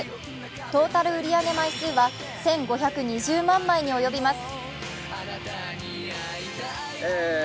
トータル売り上げ枚数は１５２０万枚に及びます。